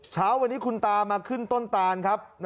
เช้าวันนี้คุณตามาขึ้นต้นตานครับ